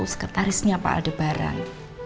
sekretarisnya pak aldebaran